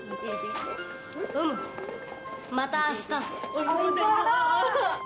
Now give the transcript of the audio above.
うむまた明日ぞ。